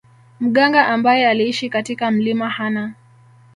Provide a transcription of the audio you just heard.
Mganga ambaye aliishi katika mlima Hanah